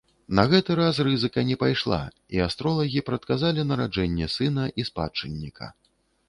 На гэты раз рызыка не пайшла, і астролагі прадказалі нараджэнне сына і спадчынніка.